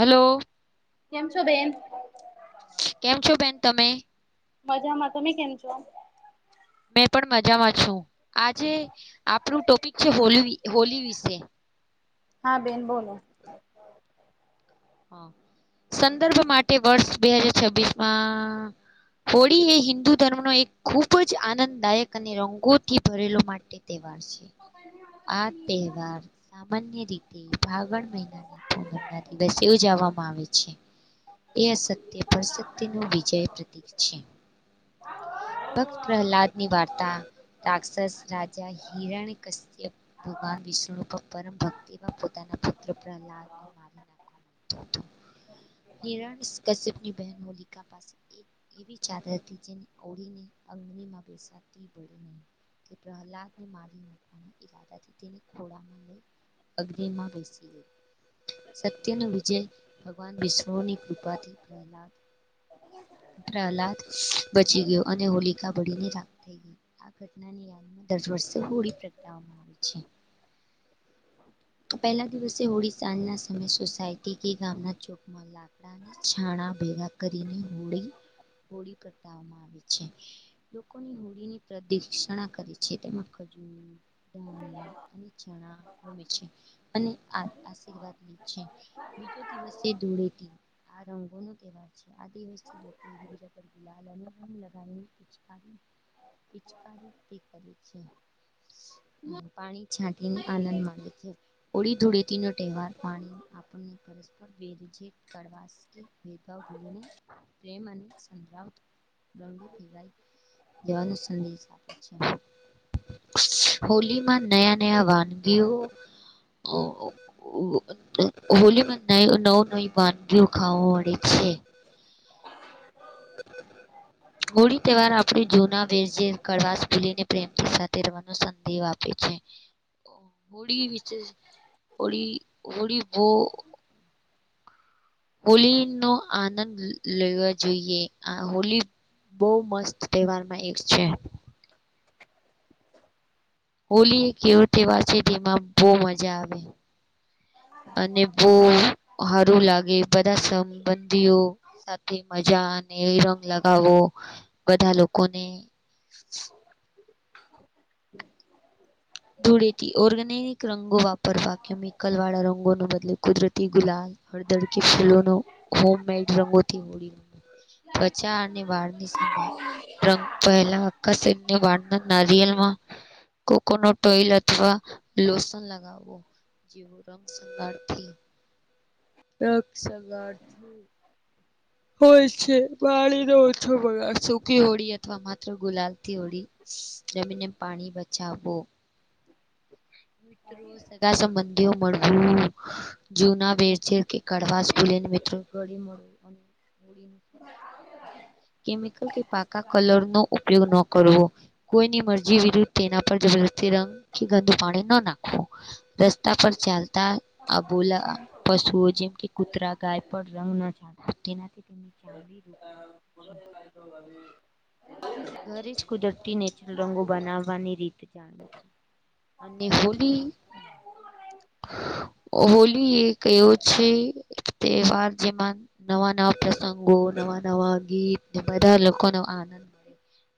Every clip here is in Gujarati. હલો કેમ છો બેન કેમ છો બેન તમે મજામાં તમે કેમ છો હુ પણ મજામાં છું આજે આપણું ટોપિક છે હોલી હોલી વિશે હા બેન બોલો [inaudible] સંદર્ભ માટે વર્ષ બે હજર છબીશ માં હોળી એ હિન્દુ ધર્મનો એક ખૂબ જ આનંદદાયક અને રંગોથી ભરેલો માટે તેહેવા બારશે આ તહેવાર સામાન્ય રીતે ફાગણ મહિનાની પૂનમ ના દિવસે ઉજાવામાં મા આવે છે એ અસત્ય પર સત્ય ન વિજય પ્રતીક છે ભક્ત પ્રહલાદ ની વાર્તા રાક્ષસ રાજા હિરણ કસિયપ ભગવાન વિષ્ણુ પરમ ભક્તિમાં એના પોતાના પુત્ર પ્રહલાદ [inaudible] હિરણ કશપની બહેન હોલિકા પાસે એક એવી ચાદર હતી જેને હોળીની અંગની માં બેસાતી બડીી નહી પ્રહલાદ ને મારીકવા ઇરાદાથી તેને ખોળમાં લય અગરીમાં બેસી ગઈ સત્યનો વિજય ભગવાન વિષ્ણુની કૃપાથી પહેલા પ્રહલાદ બચી ગયો અને હોલિકા ભળીને રાક થઈ ગઈ ઘટનાની યાદમાં દર વર્ષે હોળી પ્રગટવામાં આવી છે પહેલા દિવસે હોળી સાંજ ના સમય સોસાયટી કે ગામના ચોકમાં લાકડા છા ના ભેગા કરીને હોળી હોળી કટાવવામાં આવી છે લોકોની હોળી ની પ્રદક્ષણા કરે છે તેમાં ખજૂર ડાણી અને ચણા ગમે છે અને આ આશીર્વાદ લી છે બીજો દિવસે ધોળેથી આ રંગો નો તહેવાર છે આ દિવસી લોકો બીજા પર ગુલાલ અને રંગ લગાવનીચકાર પિચકારીથી કરી છે પાણી છાંટી ને આનંદ માડે છે હોળી ધૂડેટી વાર પાણી આપને પર વેરે છેજે કડવાશ ભેદભાવ ભૂલી ને પ્રેમ અને સંત્રાવ પીવા દેવાનો સંદેશ આપે છે હોલી માં નયા નયા વાનગીઓ [unintelligible] બાંધગી ખાઓ. [inaudible] હોળી તહેવાર આપણે જૂના વેર જે કવાસ ભૂલીને પ્રેમથી તેરવાનો સંદહ આપે છે. હોળી વિ હોળી હોળી બો હોલી નો આનંદ લેવા જોઈએ આ હોલી બો મસ્ત તહેવારમાં એક છે. હોલી એક કેવો તહેવાર છે તેમાં બહુ મજા આવે. અને બો હારું લાગે બધા સમ બંધીઓ સાથે મજા અને રંગ લગાવો બધા લોકોને. [inaudible] ધૂળેથી ઓર્ગેનિક રંગો વાપરવા કેમિકલ વાળા રંગો ને બદલે કુદરતી ગુલાબ હળદર કે ફૂલો ન હોમ મેડ રંગોથી હોળી રંગો. ત્વચા અને બારની સંભાળ પહેલા નાયેલમાં કોકો તેલ અથવા લોસન લગાવો જેવો રંગ સંંગાળ. [unintelligible] હોય છે પાળીને ઓછો બગાર સુકી હોડી અથવા માત્ર ગુલાલ [unintelligible] રમીને પાણી બચાવવું. સગા સંબંધીઓ મળું જૂના વેર છે. કઢવા ભૂલેને. [unintelligible] કેમિકલ કે પાકા કલર નો ઉપયોગ ન કરવો કોઈની મરજી વિરુદ્ધ તેના પર રંગથી ગંદુ પાણી ન નાખવું રસ્તા પર ચાલતા અ બોલા પશુઓ કૂતરા ગાય પર રંગ ન જા તેના [inaudible] ઘરે જ કુદરતી નેચરલ રંગો બનાવવાની રીત. [unintelligible] હોલી એવો છે તહેવાર જેમાં નવા ન પ્રસંગો નવા નવા ગીત બધા લોકો નો આનંદ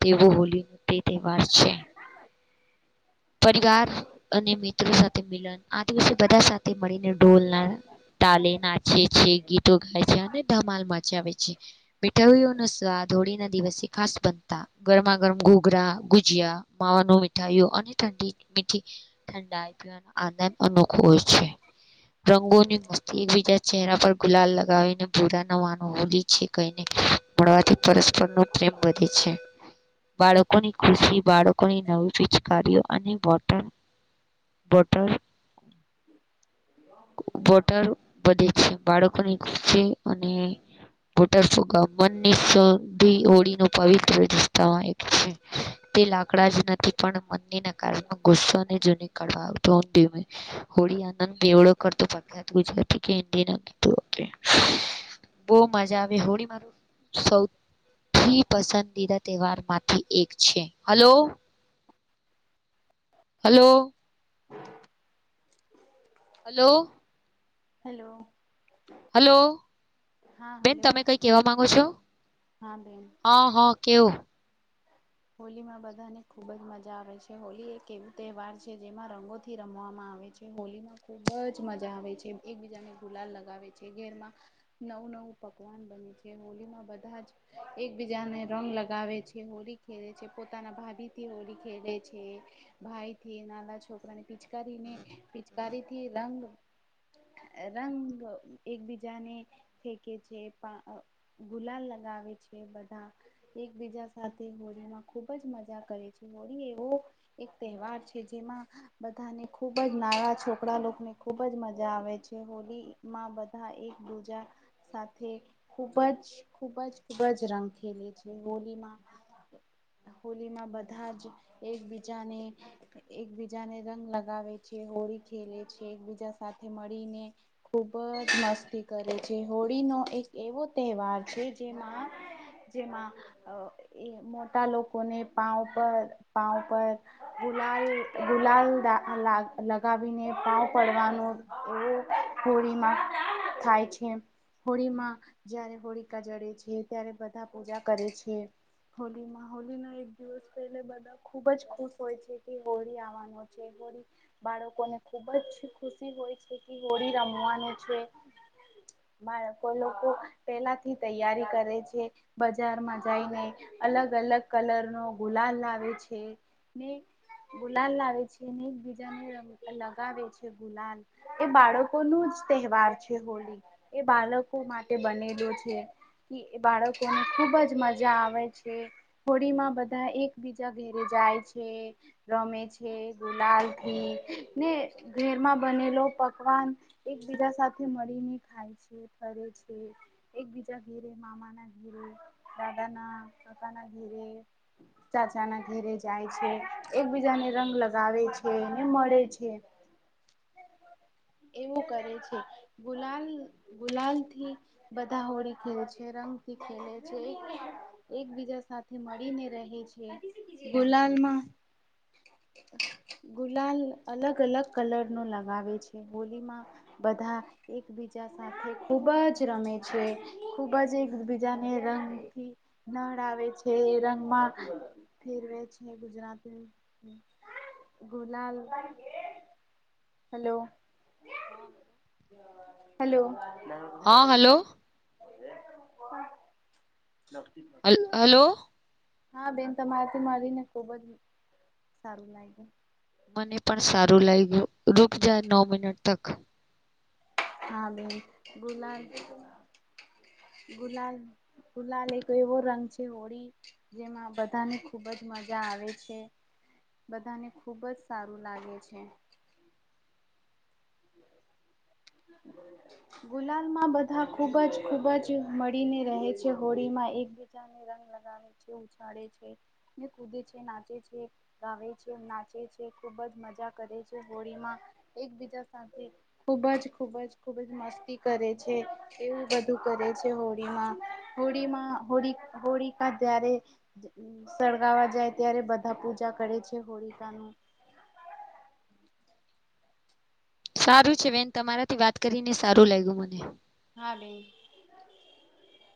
તેવું હોલી નો તે તહેવાર છે. પરિવાર અને મિત્રો સાથે મિલન આ દિવસે બધા સાથે મળીને ઢોલના તાલે નાચે છે ગીતો ગાય છે અને ધમાલ મચાવે છે મીઠાઈઓ નો સ્વાદ હોડી ના દિવસે ખાસ બનતા ગરમા ગરમ ઘોઘરા ગુજીયા માવા ન મીઠાઈું અને ઠંડી મીઠી ઠંડાઈ પીવાનો આનંદ અનો ખુશ છે રંગોની મસ્તી એવી જયા ચહેરા પર ગુલાલ લગાવીને ભૂરા ન વાનુહૂલી છે કઈ મળવાથી પરસ્પરનો પ્રેમ વધે છે. બાળકોની ખુશી બાળકોની નવી પિચકારીઓ અને વોટર બોટર વોટર વધે છે બાળકોની ખુશી અને [unintelligible] હોળી ન પવિત્ર રસ્તામાં એક છે. તે લાકડા જ નથી પણ મ [unintelligible] ગુસ્સોની જૂની [unintelligible] હોળી [unintelligible] [unintelligible] બો મજા આવે હોળી માર સૌ થી પસિદીદા તહેવાર માંથી એક છે hello. Hello. Hello. Hello. Hello બેન તમે કઈ કેવા માંગો છો હા હા કેવું હોલીમાં બધાને ખુબ જ મજા આવે છે હોલી એક એવું તહેવાર છે જેમાં રંગોથી રમવામાં આવે આવે હોમાં ખુબ જ મજા આવે છે એકબીજાને ગુલાલ લગાવે છે ઘેરમાં નવ પક બને છે હોળમાં બધા જ એકબીજાને રંગ લગાવે છે હોળ ખે છે પોતાના ભાભી થી હોળ ખેડ છે ભાઈ થી નાના છોકરા ને પિચકારી પિચકારી થી રંગ રંગ એકબીજાને ફેકે છે ગુલાલ લગાવ એકબીજા સાથે હોળીમાં ખુબ જ મજા કરે છે હોળી એવો એક તહેવાર છે જેમાં બધાને ખુબ જ નાવા છોકરા લોકોને ખુબ જ મજા આવે છે હોલી માં બધા એક દૂજા સાથે ખૂબ જ ખૂબ જ ખૂબ જ રંગ ખેલે છે હોલીમાં [inaudible] હોલી માં બધા જ એકબીજાને એકબીજાને રંગ લગાવે છે હોળી ખેલે છે એકબીજા સાથે મળીને ખુબ જ મસ્તી કરે છે હોળીનો એક એવો તહેવાર છે જે જેમાં એ મોટા લોકોને પાાવ પર પાાવ પર ગુલાલ ગુલાલ લગાવીને ભાવ પડવાનો એવો હોોળીમાં થાય હોળીમાં જયારે હોળીિકા જડે છે ત્યારે બધા પૂજા કરે છે હોલીમાં હોલી ના એક દિવસ પહેલે બધા ખુબ જ ખુશ હોય છે કે હોળી આવવાનો છે હોળી બાળકોને ખુબ જ ખુશી હોય છે કે હોળી રમવાની છે બાળકો લોકો પેલાથી તૈયારી કરે છે બજારમાં જઈને અલગ અલગ કલર નો ગુલાલ લાવે છે ને ગુલાલ લાવે છેને એકબીજાને લગાવે છે ગુલાલ એ બાળકોનું જ તહેવાર છે હોળ એ બાળકો માટે બનેલો છે બાળકો ની ખુબ જ મજા આવે છે હોળીમાં બધા એકબીજા ઘેરે જાય છે રમે છે ગુલા ને ઘરમાં બનેલો પકવાન એકબીજા સાથે મળીને ખા એકબીજા ઘરે મામા ના ઘરે દાદા ના પાકા ના ઘીરે ચાચા ના ઘીરે જાય છે એકબીજાને રંગ લગાવે છે છે એને મળે છે [inaudible] એવું કરે છે ગુલાલ ગુલાલ થી બધા હોળી ખેલ છે રંગ ખને છે એકબીજા સાથે મળીને રહે છે ગોલાલમાં ગુલાલ અલગ અલગ કલર નો લગાવે છે હોલીમાં બધા એકબીજા સાથે ખૂબ જ રમે છે ખૂબ જ એકબીજાને રંગ હ નળ આવે છે રંગમાં ફેરવે છે ગુજરાતી ગુલાલ હેલો હેલો હા હલો [unintelligible] હલ્ હલો હા બેન તમારાથી મળીને ખુબજ સારું લાગે મને પણ સારું લાગ્યું રૂક જાય નવ મિનટ તક હા બી ગુલાબ ગુલાલ ગુલાલ એક એવો રંગ છે હોળી જેમાં બધાને ખુબ જ બ જ મજા આવે છે બધાને ખુબ જ સારું લાગે છે [inaudible] ગુલાલ માં બધા ખૂબ જ ખુબ જ મળીને રહે છે હોળી માં એકબીજાને. લગાવે છે ઉછાળે છે ને કુદે છે નાચે છે ગાવ છે નાચે છે. ખુબ જ મજા કરે છે હોળીમાં એકબીજા સાથે ખુબ જ. ખૂબ જ ખૂબ જ મસ્તી કરે છે એવું બધું કરે છે હોળીમાં હોળીમાં. હોળી હોળી કા જ્યારે સળગાવા જાય ત્યારે બધા પૂજા કરે છે હોળી. તતાનું. સારું છે વેન તમારાથી વાત કરીને સારું લાગ્યું મને. આડ.